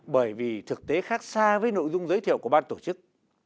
bởi vì thực tế khác xa với nội dung giới thiệu của ban tổ chức